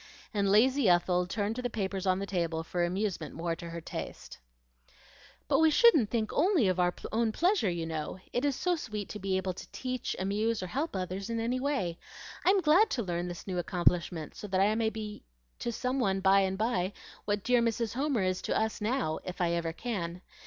and lazy Ethel turned to the papers on the table for amusement more to her taste. "But we shouldn't think only of our own pleasure, you know. It is so sweet to be able to teach, amuse, or help others in any way. I'm glad to learn this new accomplishment, so that I may be to some one by and by what dear Mrs. Homer is to us now, if I ever can.